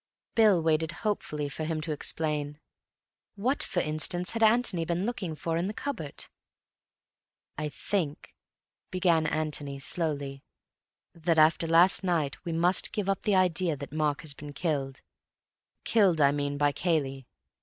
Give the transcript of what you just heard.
Bill waited hopefully for him to explain. What, for instance, had Antony been looking for in the cupboard? "I think," began Antony slowly, "that after last night we must give up the idea that Mark has been killed; killed, I mean, by Cayley.